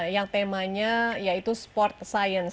yang temanya yaitu sport science